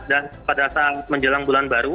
dan pada saat menjelang bulan baru